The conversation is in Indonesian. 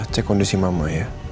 cek kondisi mama ya